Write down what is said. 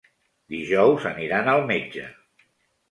Dijous aniran al metge.